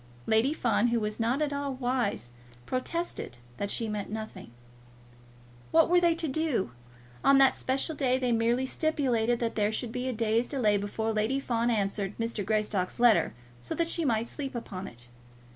Lady Fawn, who was not at all wise, protested that she meant nothing. What were they to do? On that special day they merely stipulated that there should be a day's delay before Lady Fawn answered Mrs. Greystock's letter, so that she might sleep upon it.